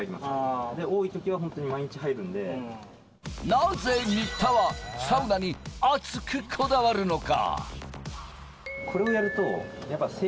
なぜ新田はサウナに熱くこだわるのか？